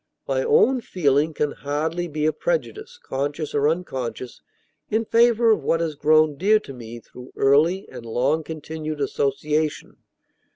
My own feeling can hardly be a prejudice, conscious or unconscious, in favor of what has grown dear to me through early and long continued association.